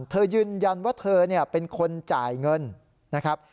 ยืนยันว่าเธอเป็นคนจ่ายเงินนะครับ